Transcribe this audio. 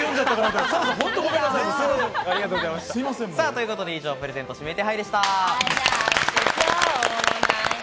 ということで、以上プレゼント指名手配でした。